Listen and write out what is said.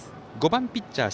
５番ピッチャー